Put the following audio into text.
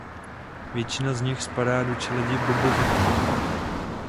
Většina z nich spadá do čeledi bobovitých.